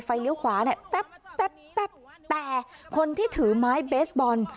เลี้ยวขวาเนี่ยแป๊บแต่คนที่ถือไม้เบสบอล